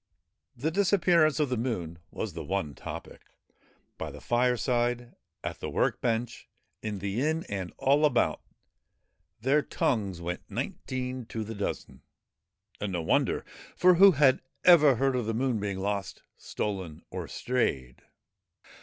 The dis appearance of the Moon was the one topic. By the fireside, at the work bench, in the inn and all about, their tongues went nineteen to the dozen ; and no wonder, for who had ever heard of the Moon being lost, stolen or strayed